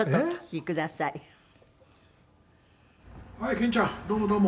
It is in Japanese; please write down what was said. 健ちゃんどうもどうも」